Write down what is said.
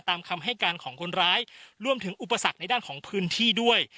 คำให้การของคนร้ายรวมถึงอุปสรรคในด้านของพื้นที่ด้วย